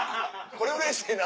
これうれしいな。